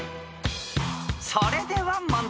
［それでは問題］